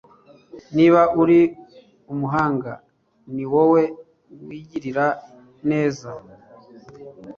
niba uri umuhanga, ni wowe wigirira neza